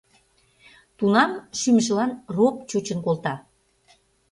Тунам шӱмжылан роп чучын колта.